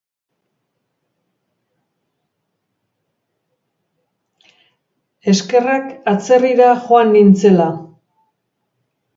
Eskerrak atzerrira joan nintzela!